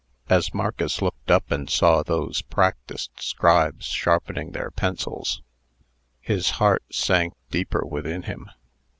As Marcus looked up, and saw those practised scribes sharpening their pencils, his heart sank deeper within him.